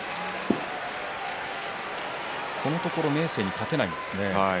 このところ明生に勝てないんですね。